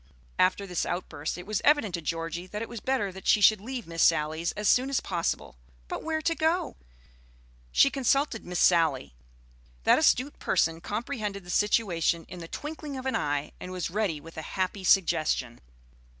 After this outburst it was evident to Georgie that it was better that she should leave Miss Sally's as soon as possible. But where to go? She consulted Miss Sally. That astute person comprehended the situation in the twinkling of an eye, and was ready with a happy suggestion.